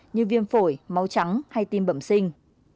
như viêm phổi máu trắng hay tiêm bẩm sinh